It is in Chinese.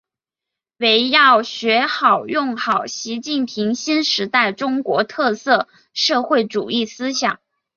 围绕学好、用好习近平新时代中国特色社会主义思想